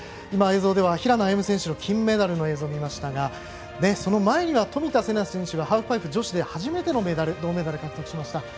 今、映像では平野歩夢選手の金メダルの映像を見ましたがその前には冨田せな選手がハーフパイプ女子で初めて銅メダルを獲得しました。